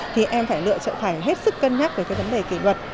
thì em phải lựa chọn thành hết sức cân nhắc về cái vấn đề kỷ luật